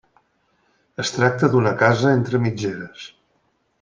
Es tracta d'una casa entre mitgeres.